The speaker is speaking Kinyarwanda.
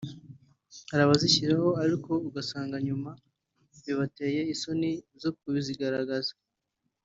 Hari abazishyiraho ariko ugasanga nyuma bibateye isoni zo kuzigaragaza